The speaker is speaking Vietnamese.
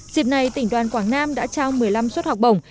dịp này tỉnh đoàn quảng nam đã trao một mươi năm suất học bổng